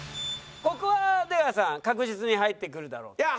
ここは出川さん確実に入ってくるだろうと。